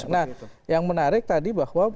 nah yang menarik tadi bahwa